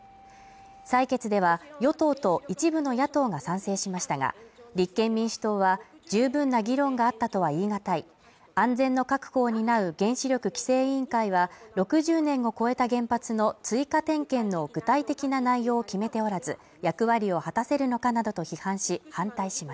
採決では与党と一部の野党が賛成しましたが、立憲民主党は、十分な議論があったとは言い難い安全の確保を担う原子力規制委員会は６０年を超えた原発の追加点検の具体的な内容を太ももは温かいがあ！